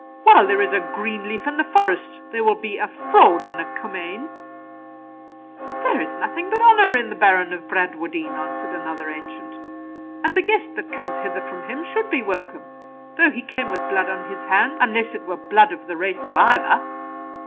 While there is a green leaf in the forest, there will be fraud in a Comyne. 'There is nothing but honour in the Baron of Bradwardine,' answered another ancient; 'and the guest that comes hither from him should be welcome, though he came with blood on his hand, unless it were blood of the race of Ivor.'